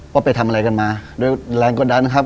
ไปทำอะไรกันมาด้วยแรงกดดันนะครับ